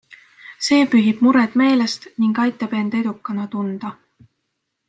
See pühib mured meelest ning aitab end edukana tunda.